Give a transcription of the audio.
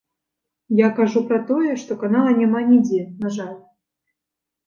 Я кажу пра тое, што канала няма нідзе, на жаль.